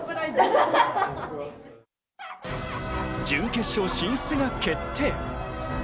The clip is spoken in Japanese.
準決勝進出が決定。